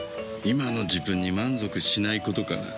今の自分に満足しないことかな。